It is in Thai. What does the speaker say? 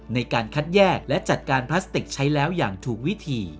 ในการคัดแยกและจัดการพลาสติกใช้แล้วอย่างถูกวิธี